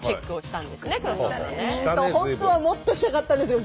本当はもっとしたかったんですよ。